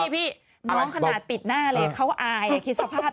พี่น้องขนาดปิดหน้าเลยเขาอายคิดสภาพ